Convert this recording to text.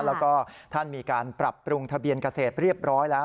แล้วก็ท่านมีการปรับปรุงทะเบียนเกษตรเรียบร้อยแล้ว